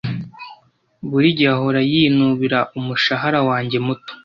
Buri gihe ahora yinubira umushahara wanjye muto.